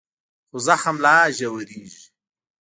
خو زخم لا ژورېږي.